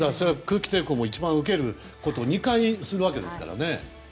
空気抵抗も一番受けることを２回するわけですからね。